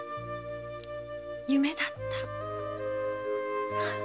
夢だった。